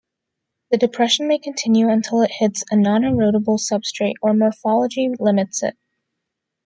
The depression may continue until it hits a non-erodible substrate or morphology limits it.